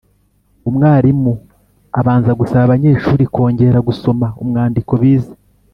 Umwarimu abanza gusaba abanyeshuri kongera gusoma umwandiko bize